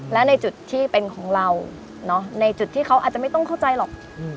และในจุดที่เป็นของเราในจุดที่เขาอาจจะไม่ต้องเข้าใจหรอก